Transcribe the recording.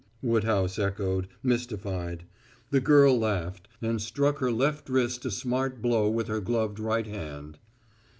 Woodhouse echoed, mystified. The girl laughed, and struck her left wrist a smart blow with her gloved right hand.